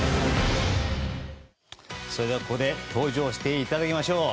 ここで登場していただきましょう！